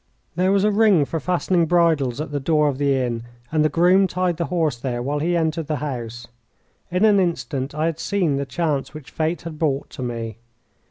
There was a ring for fastening bridles at the door of the inn, and the groom tied the horse there while he entered the house. In an instant I had seen the chance which Fate had brought to me.